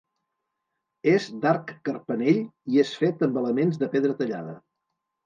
És d'arc carpanell i és fet amb elements de pedra tallada.